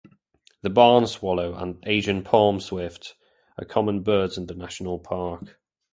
The barn swallow and Asian palm swift are common birds in the national park.